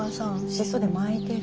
シソで巻いてる。